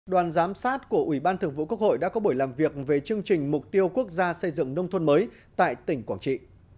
đoàn giám sát của ủy ban thượng vụ quốc hội đã có buổi làm việc về chương trình mục tiêu quốc gia xây dựng nông thôn mới tại tỉnh quảng trị